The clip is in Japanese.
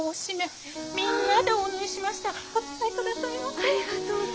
ありがとうお富。